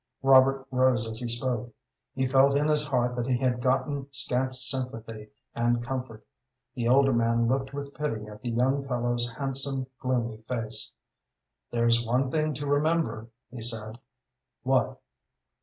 Robert rose as he spoke. He felt in his heart that he had gotten scant sympathy and comfort. The older man looked with pity at the young fellow's handsome, gloomy face. "There's one thing to remember," he said. "What?"